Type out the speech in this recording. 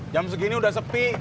jam segini udah sepi